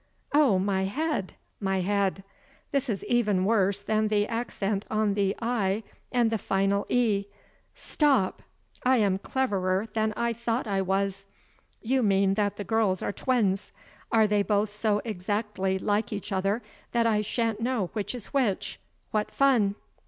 "Oh, my head! my head! This is even worse than the accent on the 'i' and the final 'e.' Stop! I am cleverer than I thought I was. You mean that the girls are twins. Are they both so exactly like each other that I shan't know which is which? What fun!"